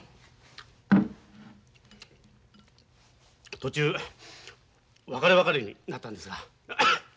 途中別れ別れになったんですが。